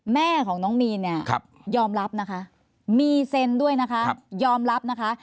แม่ของน้องมีนเนี่ยยอมรับนะคะมีเซ็นด้วยนะคะยอมรับนะคะ